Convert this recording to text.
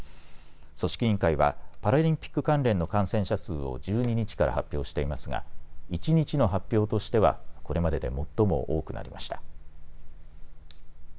組織委員会はパラリンピック関連の感染者数を１２日から発表していますが一日の発表としては、これまでで最も多くなりました。